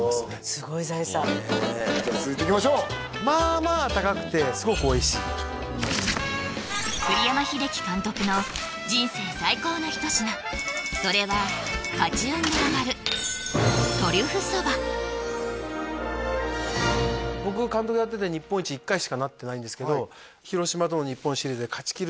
すごい財産じゃあ続いていきましょうまあまあ高くてすごくおいしい栗山英樹監督の人生最高の一品それは勝ち運が上がる僕監督やってて日本一１回しかなってないんですけど広島との日本シリーズで勝ちきる